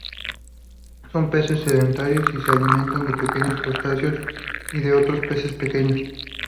Son peces sedentarios y se alimentan de pequeños crustáceos y de otros peces pequeños.